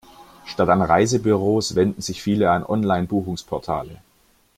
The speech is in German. Statt an Reisebüros wenden sich viele an Online-Buchungsportale.